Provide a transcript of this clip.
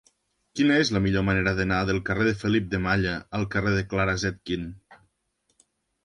Quina és la millor manera d'anar del carrer de Felip de Malla al carrer de Clara Zetkin?